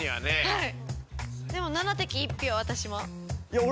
はい。